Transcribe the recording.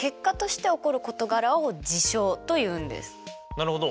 なるほど。